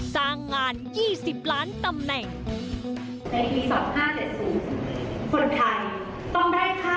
จ้างงาน๒๐ล้านตำแหน่ง